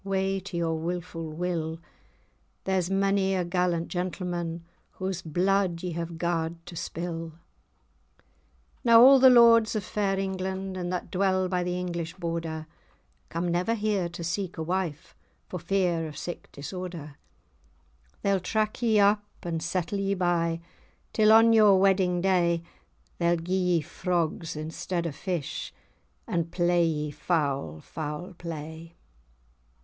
Wae to your wilfu' will! There's mony a gallant gentleman Whae's bluid ye have garred[#] to spill. [#] caused. Now a' the lords of fair England, And that dwell by the English Border, Come never here to seek a wife, For fear of sic[#] disorder. [#] such. They'll track ye up, and settle ye bye, Till on your wedding day; Then gie ye frogs instead of fish, And play ye foul foul play.